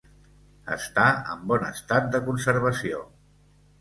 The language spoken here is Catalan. Està en bon estat de conservació.